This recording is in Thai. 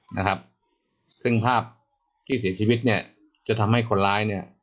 นะครับซึ่งภาพที่เสียชีวิตเนี่ยจะทำให้คนร้ายเนี่ย